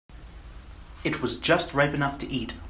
It was just ripe enough to eat.